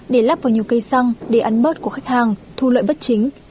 để lắp vào nhiều cây xăng để ăn bớt của khách hàng thu lợi bất chính